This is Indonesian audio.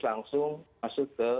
langsung masuk ke